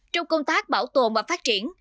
trong công tác bảo tồn và phát triển